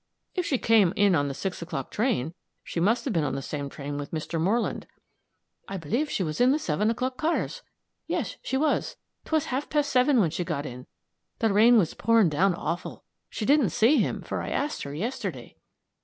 "If she came in the six o'clock train she must have been on the same train with Mr. Moreland." "I believe she was in the seven o'clock cars yes, she was. 'Twas half past seven when she got in the rain was pouring down awful. She didn't see him, for I asked her yesterday."